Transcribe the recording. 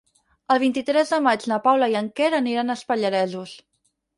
El vint-i-tres de maig na Paula i en Quer aniran als Pallaresos.